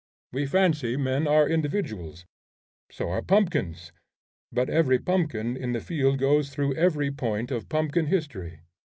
We fancy men are individuals; so are pumpkins; but every pumpkin in the field goes through every point of pumpkin history.